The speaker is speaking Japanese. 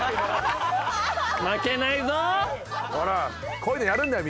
こういうのやるんだよ